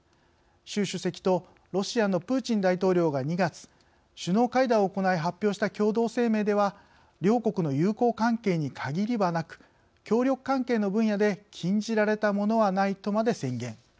習主席とロシアのプーチン大統領が２月、首脳会談を行い発表した共同声明では「両国の友好関係に限りはなく協力関係の分野で禁じられたものはない」とまで宣言。